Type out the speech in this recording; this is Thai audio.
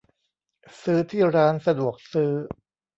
ซื้อที่ร้านสะดวกซื้อ